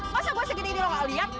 masa gua segini lin kalian